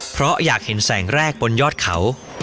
เพราะอยากเห็นแสงแรกบนยอดเขา